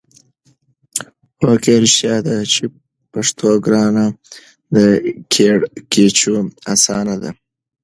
هو کې! رښتیا ده چې پښتو ګرانه ده کیړکیچو اسانه ده.